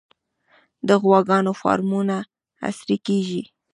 د غواګانو فارمونه عصري کیږي